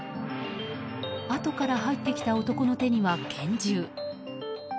あとから入ってきた男の手には拳銃。